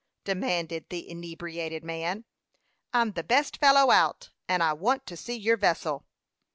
demanded the inebriated man. "I'm the best fellow out; and I want to see your vessel."